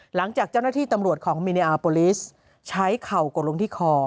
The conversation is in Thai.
หลังจากเจ้าหน้าที่ตำรวจของมิเนียอาร์โปรลิสใช้เข่ากดลงที่คอ